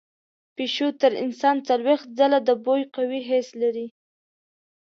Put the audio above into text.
پیشو تر انسان څلوېښت ځله د بوی قوي حس لري.